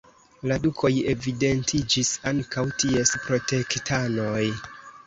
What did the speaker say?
La dukoj evidentiĝis ankaŭ ties protektanoj.